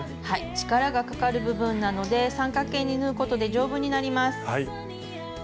はい力がかかる部分なので三角形に縫うことで丈夫になります。